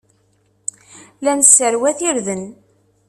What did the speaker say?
La nesserwat irden.